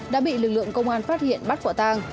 đã bị lực lượng công an phát hiện bắt quả tang